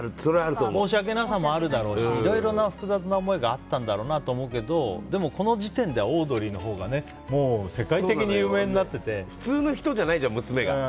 申し訳なさもあるだろうしいろいろな複雑な思いがあったと思うけどでも、この時点ではオードリーのほうが普通の人じゃないじゃん、娘が。